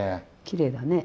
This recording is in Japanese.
きれいだね。